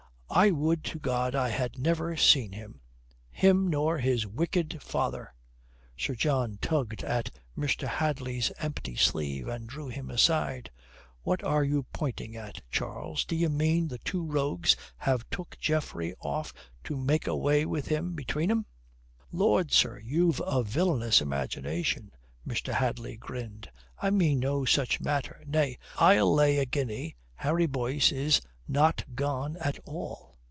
I would to God I had never seen him him nor his wicked father." Sir John tugged at Mr. Hadley's empty sleeve and drew him aside. "What are you pointing at, Charles? D'ye mean the two rogues have took Geoffrey off to make away with him between 'em?" "Lord, sir, you've a villainous imagination." Mr. Hadley grinned. "I mean no such matter. Nay, I'll lay a guinea, Harry Boyce is not gone at all."